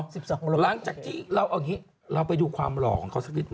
สิบสองลูกโอเคแล้วเอาอย่างนี้เราไปดูความหล่อของเขาสักนิดไหม